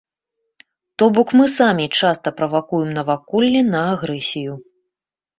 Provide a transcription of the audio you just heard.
То бок, мы самі часта правакуем наваколле на агрэсію.